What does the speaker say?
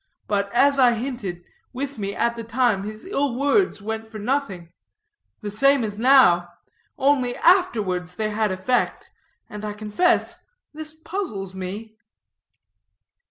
But, as I hinted, with me at the time his ill words went for nothing; the same as now; only afterwards they had effect; and I confess, this puzzles me."